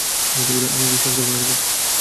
আমি বিশ্বাস করব না?